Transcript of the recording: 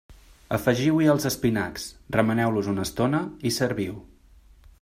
Afegiu-hi els espinacs, remeneu-los una estona i serviu.